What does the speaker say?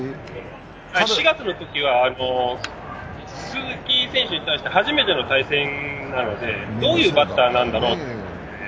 ４月のときは、鈴木選手に対して初めての対戦なので、どういうバッターなんだろうと。